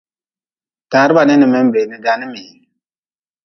Taa reba ni, ni menbee ni danimii.